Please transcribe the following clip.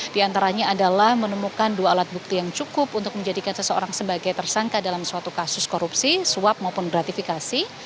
di antaranya adalah menemukan dua alat bukti yang cukup untuk menjadikan seseorang sebagai tersangka dalam suatu kasus korupsi suap maupun gratifikasi